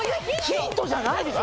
ヒントじゃないですよ